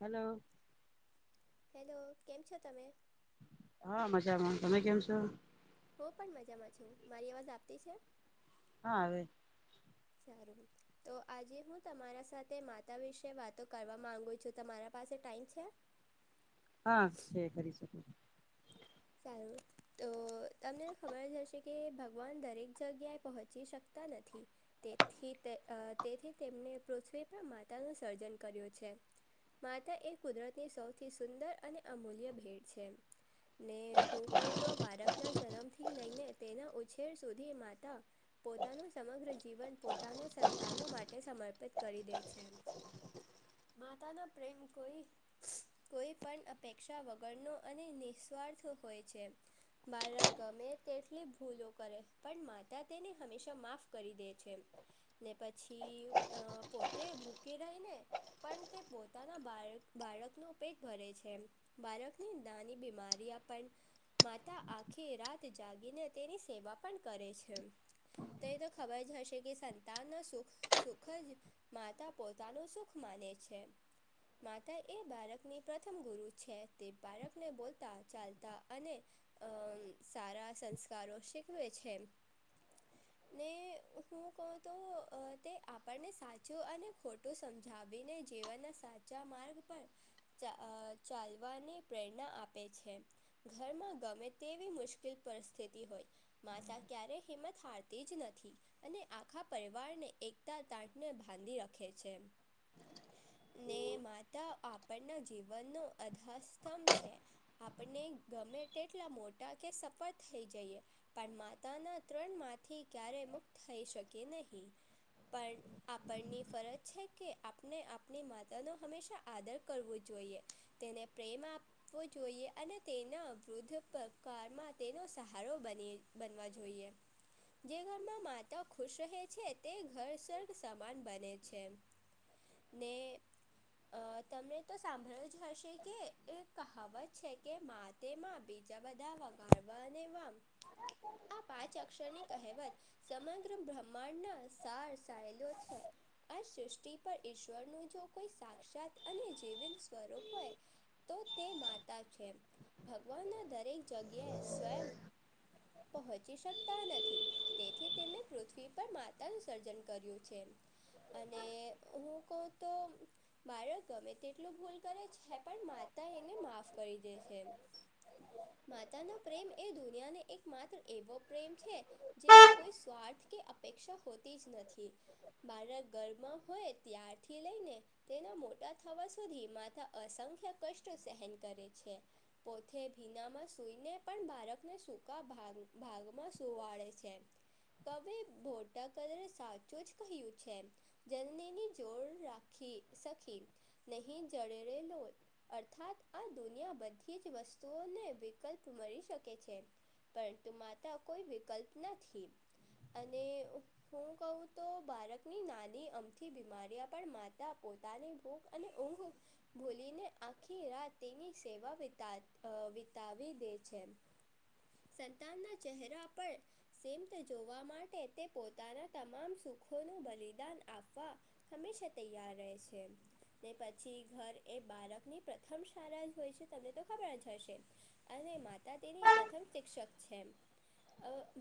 Hello hello કેમ છો તમે? હા મજામાં તમે કેમ છો? હું પણ મજામાં છું મારી અવાજ આવતી છે. હા આવે સારું તો આજે હું તમારા સાથે માતા વિશે વાતો કરવા માગુ છું તમારા પાસે ટાઈમ છે? [inaudible] હા છે કરી શકો [unintelligible] સારું તો તમને ખબર જ હશે કે ભગવાન દરેક જગ્યાએ પહોંચી શ તા નથી તેથી તે તેથી તેમને પૃથ્વી પર માતાનું સર્જન કર્યું છે. માતા એ કુદરતની સૌથી સુંદર અને અમૂલ્ય ભેટ છે. ને હું કહઉ તો બાળકના જન્મથી લઈને તેના ઉછેર સુધી માતા. પોતાનું સમગ્ર જીવન પોતાનો સંતાનો માટે સમર્પિત કરી દે છે. માતા ના પ્રેમ કોઈ. કોઈ પણ અપેક્ષા વગરનો અને નિસ્વાર્થ હોય છે. બાળક ગમે તેટલી ભૂલો કરે પણ માતા તેને હંમેશા માફ કરી દે છે. ને પછી પોતે ભૂકી રહી ને, પણ તે પોતાના બા બાળકનો પેટ ભરે છે બાળકની [unintelligible] બીમારી માતા આખી રાત જાગીને તેની સેવા પણ કરે છે. તો એ તો ખબર જ હશે સંતાનનો સુખ જ, માતા પોતાનું સુખ માને છે. માતા એ બારકની પ્રથમ ગુરુ છે તે બારકને બોલ, ચાલતા અને અ સારા સંસ્કારો શીખવે છે. ને હું કહ તો તે આપણને સાચું અને ખોટું સમજ ઝબીને જીવાના સાચા માર્ગ પર ચ ચાલવાની પ્રેરણા આપ આપ છે ઘરમાં ગમે તેવી મુશ્કેલ પરિસ્થિતિ હોય. માતા ક્યારે હિંમત હારતી જ નથી. અને આખા પરિવારને એકતા તાટને બાંધી રાખે છે. ને માતા આપણના જીવનનો આધારસ્તંભ છે. આપણને ગમે તેટલા મોટા કે સફળ થઈ જઈએ. પણ માતાના ત્રણ માંથી ક્યારેય મુક્ત થઈ શકે નહીં પણ. આપણની ફરજ છે કે આપણે આપણી માતાનો હંમેશા આદર કરવો જોઈએ. તેને પ્રેમ આપ જોઈએ અને તેના વૃદ્ધ પ્રકારમાં તેનો સહારો બની બનવા જોઈએ. જે ઘરમાં માતા ખુશ રહે છે તે ઘર સ્વર્ગ સમાન બને છે. ને તમે તો સાંભળ્યું જ હશે કે એ કહાવત. છે કે માં તેમાં બીજા બધાં વગાડવાને વામ આ પાંચ અક્ષરની કહેવત સમગ્ર બ્રહ્માંડ નાં સાર સાયલો છે. આ સૃષ્ટિ પર ઈશ્વરનું જો કોઈ સાક્ષાત અને જીવિત સ્વરૂપ હોય તો તે માં તાછે ભગવાનના દરેક જગ્યાએ સ્વયં પહોંચી શકતા નથી. તેથી તેમને પૃથ્વી પર માતાનું સર્જન કર્યું છે. અને હું કહું તો. બાળક ગમે તેટલું ભૂલ કરે છે. પણ માતા એને માફ કરી દે છે. માતાનો પ્રેમ એ દુનિયાને એક માત્ર એવો પ્રેમ છે. જેમાં કોઈ સ્વાર્થ કે અપેક્ષા હોતી જ નથી. બાળક ઘરમાં હોય ત્યારથી લઈને. તેનાં મોટાં થવા સુધી માતા અસંખ્ય કષ્ટ સહન કરે છે. પોતે ભીનામાં સુઈને પણ બાળકને સૂકાં ભાગ ભાગમાં સુવાડે છે. કવે બોટા કલર એસાચું જ કહ્યું છે. જનની જોર રાખી સખી નહીં જળેરે લોલ અર્થાત આ દુનિયા બંધી જ વસ્તુઓને વિકલ્પ મળી શકે છે. પરંતુ માતા કોઈ વિકલ્પ નથી અને હું કહું તો બાળકની નાની અમથી બીમારીયા પણ માતા પોતે તાની ભૂખ અને ઊંઘ ભૂલીને આખી રાત તેની સેવા વિતા અ વિતાવી દે છે. સંતાનના ચહેરા પર સ્મિત જોવા માટે તે પોતાના તમાંમ સુખોનું બલિદાન આપવા. હંમેશા તૈયાર રહે છે. ને પછી ઘર એ બાળકની પ્રથમ સારા જ હોય છે. તમને તો ખબર જ હશે અને માતા તેની પ્રથમ શિક્ષક છે.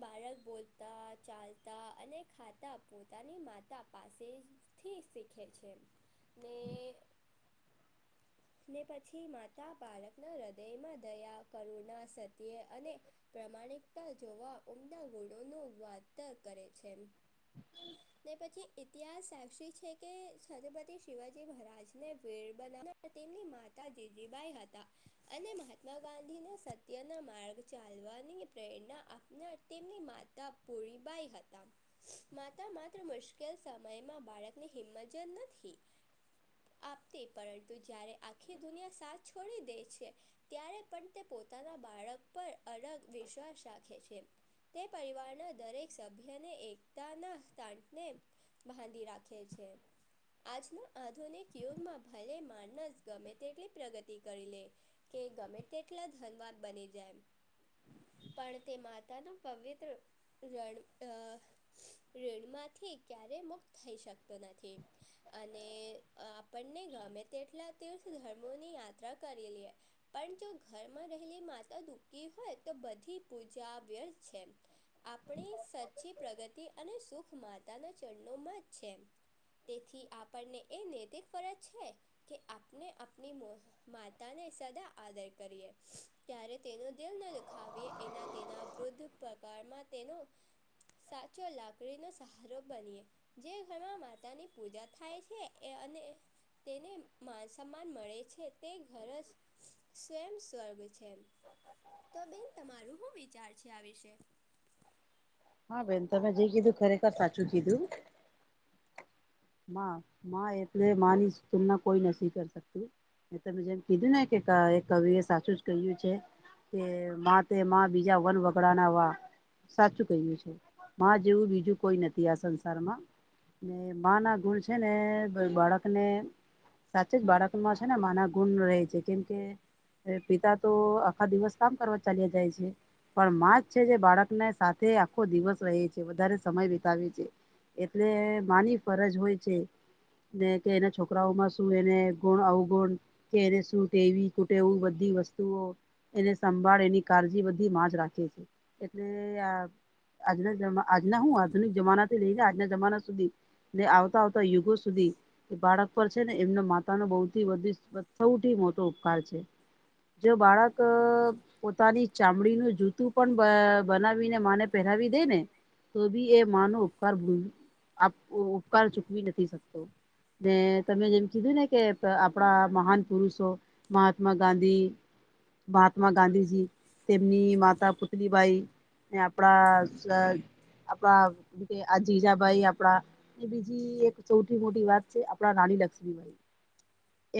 બાળક બોલતાં, ચાલતાં, ખાતાં પોતાની માતા પાસે જ થી શીખે છે. ને નેપ થી માતા બાળકનાં હૃદયમાં દયા કરુણા સંત અને પ્રામાણિકતા જ જોવા ઉમદા ગોળો નો વાતો કરે છે. તે પછી ઇતિહાસ આવષેશેછે કે છત્રપતિ શિવાજી મહારાજને વેડ બનાવ તેમની મા તા જીજીબાઈ હતા. અને મહાત્મા ગાંધીને સત્યના માર્ગ ચાલવાની. પ્રેરણા આપનાર તેમની માતા ભોળીબાઈ હતાં. માતા માત્ર મુશ્કેલ સમયમાં બાળકની હિંમજ નથી. આપતી પરંતુ જ્યારે આખી દુનિયા સાથ છોડી દે છે. ત્યારે પણ તે પોતાનાં બાળક પર અળગ વિશ્વાસ રાખે છે. તે પરિવારના દરેક સભ્યને એકતાના તાંને બાંધી રાખે છે ‌. આજના આધુનિક યુગમાં ભલે માનસ ગમે તેટલી પ્રગતિ કરી લે કે ગમે તેટલા ધનવાન બનીજાય. પણ તે માતા ના પવિત્ર રણ અ રણમાંથી ક્યારેય મુક્ત થઈ શકતો નથી. અને આપણને ગમે તેટલા તીર્થ ધર્મોની યાત્રા કરીલે. પણ જો ઘરમાં રહેલી માતા દુખી હોય તો બધી પૂજા વ્યર્થ છે. આપણી સચી પ્રગતિ અને સુખ માતા ના જ [unintelligible] છે, તેથી આપણને એ નૈતિક ફરજ છે, કે આ આપને આપની મો માતાને સદા આદર કરીએ ત્યારે તેનો દિલ ન દુખાવીએ એના તેના વૃદ્વ પ્રકારમાં તેનો સાચો લાકડીનો સહારો બનીએ જે ઘરમાં માતાની પૂજા થાય છે, અને તેને મા સમાન મળે છે, તે ઘર જ સ્વયં સ્વર્ગ છેમ તો બેન તમારું હુ વિચાર છે, આ વિશે? હા બેન તમે જે કીધું ખરેખર સાચું કીધું મા મા એટલે મા ની તુલના [unintelligible] એ તમે જેમ કીધું ને કે એ કવિ એ સાચું જ કહ્યું છે. કે મા તે માં બીજા વન વગડાના વા સાચું કહ્યું છે, માં જેવું બીજું કોઈ નથી આ સંસારમાં ને માં ના ગુણ છે, ને બાળક ને સાચે જ બાળકોમાં છે, ને માના ગુણ રેય છે, કેમ કે પિતા તો આખા દિવસ કામ કરવા ચાલ્યા જાય છે. પણ માં જ છે, જે બાળકને સાથે આખો દિવસ રહે છે, વધારે સમય વિતાવે છે. એટલે માની ફરજ હોય છે. ને કે એને છોકરાઓમાં શુ એને ગુણ અવગુણ કેરેસૂટે એવી કૂટેવ બધી વસ્તુઓ એને સંભાળ એની કાળજી બધી માં જ રાખે છે, એટલે આ આજના જમા આજના હું આધુનિક જમાનાથી લઈને આજના જમાના સુધી ને આવતા આવતા યુગો સુધી એ બાળ પર છે, ને એમનો માતા નો બૌથી સૌથી મોટો ઉપકાર છે. જો બાળક પોતાની ચામડીનું જૂતું પણ બ બનાવીને માને પહેરાવી દે ને તો બી એ માનો ઉપકાર [unintelligible] ઉપકાર ચૂકવી નથી શકતો. ને તમે જેમ કીધું ને કે આપણા મહાન પુરુષો મહાત્મા ગાંધી મહાત્મા ગાંધીજી તેમની માતા પુ તલી ભાઈ ને આપડા આપણા હુ કે આ જીજાભાઈ આપડા એ બીજી એક સૌથી મોટી વાત છે, આપણા રાની લક્ષ્મીભાઈ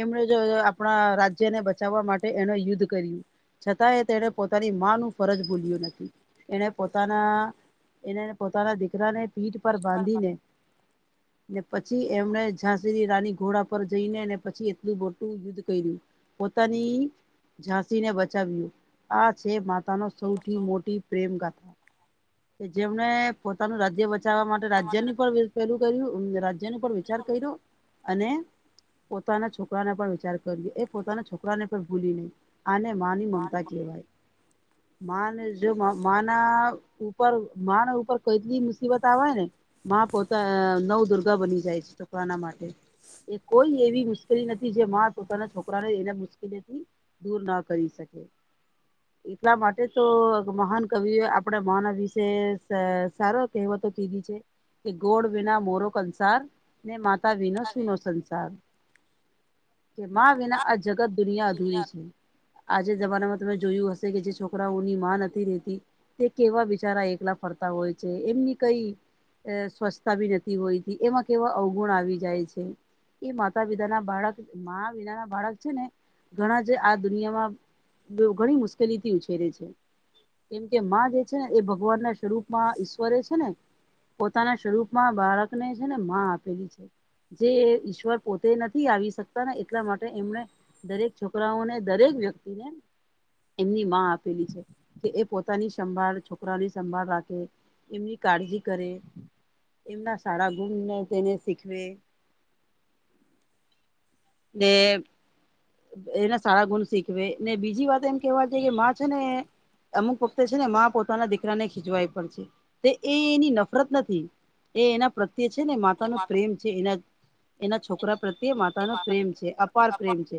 એમણે જો આપણા રાજ્યને બચાવવા માટે એને યુદ્ધ કર્યું છતાંય તેણે પોતાની માંનુ ફરજ ભૂલ્યું નથી એને પોતાના એણે એના પોતાના દીકરાને પીઠ પર બાંધીને ને પછી એમને ઝાંસીની રાની ઘોડા પર જઈનેને પછી એટલું મોટું યુદ્ધ કર્યું પોતાની ઝાંસી ને બચાવ્યું આ છે, માતા નો સૌથી મોટી પ્રેમ કથા કે જેમને પોતાનું રાજ્ય બ ચાવા માટે રાજ્યની પણ પેલું કર્યું રાજ્ય ને પણ વિચાર કર્યો અને પોતાના છોકરાને પણ વિચાર કર્યું એ પોતાના છોકરાને પણ ભૂલી નહી આને માં ની મમતા કેવાય મા ને જો મા ના ઉપર મા ના ઉપર કોઈડી મુસીબત આવે ને મા પોતા નવ દુર્ગા બની જાય છે, છોકરાના માટે એ કોઈ એવી મુશ્કેલી નથી જે મા પોતાના છોકરાને એને મુશ્કેલીથી દૂર ના કરી શકે. [inaudible] એટલા માટે તો મહાન કવિએ આપણે મા ના વિશે સ સારો કહેવતો કીધી છે. કે ગોળ વિના મોરો કંસાર ને, માતા વિનો સૂનો સંસાર. કે મા વિના આ જગત દુનિયા અધૂરી છે. આજે જમાનામાં તમે જોયું હશે કે જે છોકરાઓની માં નથી રહેતી તે કેવા બિચારા એકલા ફરતા હોય છે, એમની કઈ સ્વચ્છતા બી નથી હોયતી એવા કેવા અવગુણ આવી જાય એ મા વિદા ના બાળક, માં વિના ના બાળક છે ને ઘણા જ આ દુનિયામાં ઘણી મુશ્કેલી થી ઉછેરે છે. કેમ કે માં જે છે ને એ ભગવાન ના સ્વરૂપમાં ઈશ્વરે છે ને પોતાના સ્વરૂપમાં બાળકને છે ને મા આપેલી છે, જે એ ઈશ્વર પોતે નથી આવી શકતા ને એટલા માટે એમને દરેક છોકરાઓને દરેક વ્યક્તિને એમની મા આપેલી છે, કે એ પોતાની સંભાળ છોકરાની સંભાળ રાખે એમની કાળજી કરે, એમના સારા ગુણને તેને શીખવે ડે, એના સારા ગુણ શીખવે ને બીજી વાત એમ કહેવા જઈએ માં છે ને અમુક વખતે છે ને માં પોતાના દીકરાને ખીચવા પણ છે તે એ એની નફરત નથી એ એના પ્રત્યે છે ને માતા નો પ્રેમ છે, એના એના છોકરા પ્રત્યે માતા ન પ્રેમ છે, અપાર પ્રેમ છે.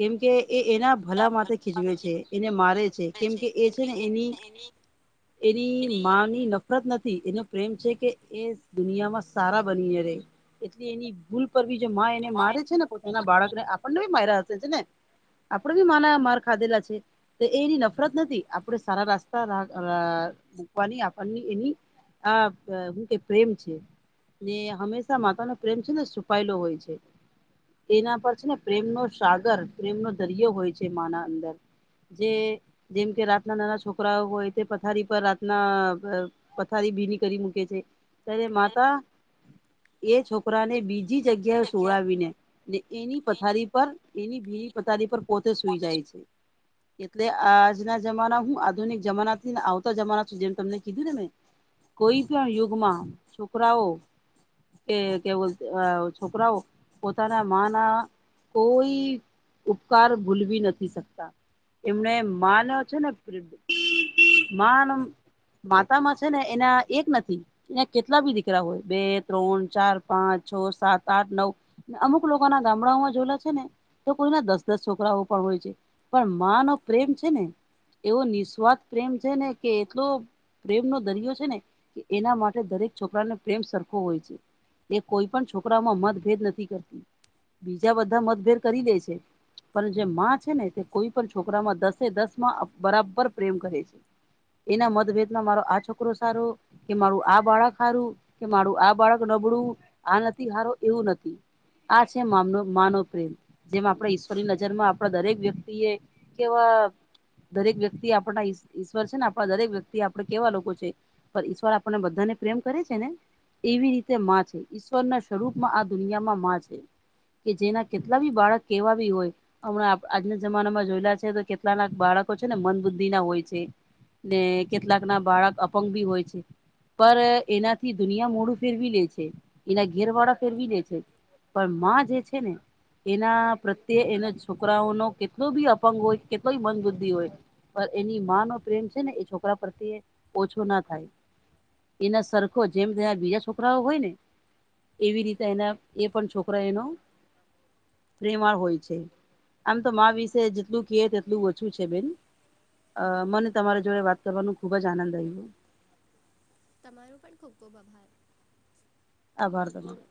કેમકે એ એના ભલા માટે ખીચવે છે, એને મારે છે, કેમકે એ છે ને એની એની માં તમારો ની ન ફરત નથી એનો પ્રેમ છે, કે એ દુનિયામાં સારા બનીને રહે એટલે એની ભૂલ ઉપર બી જે મા એને મારે છે ને પોતાના બાળકને આપણને બી માર્યા હસે છે ને આપડે બી મા ના માર ખાધેલા છે. તો એ એની નફરત નથી આપણે સારા રસ્તા રા અ મૂકવાની આપણની એની આ અ હું કે પ્રેમ છે ને હંમેશા માતા નો પ્રેમ છે ને છુપાયેલો હોય છે એના પર છે ને પ્રેમનો સાગર, પ્રેમનો દરિયો હોય છે માના અંદર. જે જેમ કે રાતના નાના છોકરાઓ હોય તે પથારી પર રાતના પથારી ભીની કરી મૂકે છે ત્યારે માતા એ છોકરાને બીજ બીજી જગ્યાએ સોડાવીને ને એની પથારી પર એની ભીની પથારી પર પોતે સુઈ જાય છે. એટલે આજના જમાના હું આધુનિક જમાનાથીને આવતા જમાના છું જેમ તમને કીધું ને મેં કોઈ પણ યુગમાં છોકરાઓ કે કેવો અ છોકરાઓ પોતાના માંના કોઈ ઉપકાર ભૂલવી નથી શકતા એમને માના છે ને માનમ માતામાં છે ને એના એક નથી ને કેટલા બી દીકરા હોય બે ત્રણ ચાર પાંચ છ સાત આઠ નવ ન અમુક લોકોના ગામડાઓમાં જોયલા છે ને તો કોઈના દસ દસ છોકરાઓ પણ હોય છે પણ મા નો પ્રેમ છે ને એવો નિસ્વાર્થ પ્રેમ છે ને કે તો પ્રેમનો દરિયો છે ને કે એના માટે દરેક છોકરાને પ્રેમ સરખો હોય છે. એ કોઈ પણ છોકરાઓમાં મતભેદ નથી કરતી બીજા બધા મતભેદ કરી દે છે. પણ જે માં છે ને તે કોઈ પણ છોકરામાં દસે દસમાં બરાબર પ્રેમ કરે છે. એના મતભેદમાં મારો આ છોકરો સારો કે મારું આ બાળક હારુ કે મારું આ બાળક નબળું આ નથી હારો એવું નથી આ છે માનો માનવ પ્રેમ જેમ આપણે ઈશ્વરની નજર માં આપણા દરેક વ્યક્તિ એ કેવા દરેક વ્યક્તિ આપણા ઈશ્વર છે ને આપણા દરેક વ્યક્તિ આપે કેવા લોકો છે. પર ઈશ્વર આપણને બધાને પ્રેમ કરે છે ને એવી રીતે માં છે ઈશ્વર ના સ્વરૂપમાં આ દુનિયામાં માં છે. કે જેના કેટલા બી બાળક કેવા બી હોય. હમણાં આજના જમાનામાં જોયેલા છે તો કેટલા નાક બાળકો છે ને મન બુદ્ધિના હોય છે. ને કેટલાકના બાળક અપંગ ભી હોય છે. પર એનાથી દુનિયા મોડું ફેરવી લે છે એના ઘેર વાળા ફેરવી લે છે. પણ માં જે છે ને એના પ્રત્યે એને છોકરાઓનો કેટલો બી અપંગ હોય કેટલો મંદબુદ્ધિ હોય પણ એની માંનો પ્રેમ છે ને એ છોકરા પ્રત્યે ઓછો ના થાય એના સરખોજ જેમ બીજા છોકરાઓ હોય ને. એવી રીતે એના એ પણ છોકરા એનો પ્રેમાળ હોય છે આમ તો મા વિશે જેટલું કિયે તેટલું ઓછું છે બેન. અ મને તમારી જોડે વાત કરવાનું ખુબ જ આનંદ આવ્યો. તમારો પણ ખૂબ ખૂબ આભાર. આભાર તમાંરો.